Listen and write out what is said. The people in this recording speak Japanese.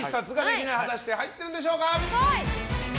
果たして入ってるんでしょうか。